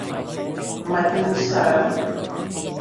唔係變上？